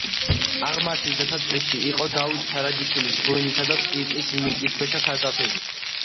აღმართის დასაწყისში იყო დავით სარაჯიშვილის ღვინისა და სპირტის მიწისქვეშა სარდაფები.